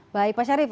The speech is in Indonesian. baik pak syarif